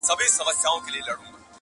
سفر دی بدل سوی، منزلونه نا اشنا دي!!